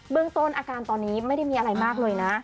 เรื่องต้นอาการตอนนี้ไม่ได้มีอะไรมากเลยนะ